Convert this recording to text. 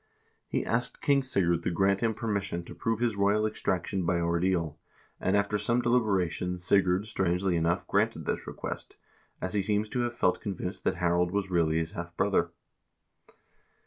He asked King Sigurd to grant him permission to prove his royal extraction by ordeal, and after some deliberation Sigurd, strangely enough, granted this request, as he seems to have felt convinced that Harald was really his half brother.